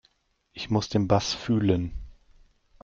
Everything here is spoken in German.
Ich muss den Bass fühlen.